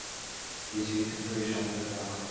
dix-huit rue Jean de la Barre